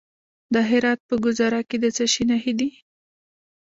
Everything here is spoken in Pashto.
د هرات په ګذره کې د څه شي نښې دي؟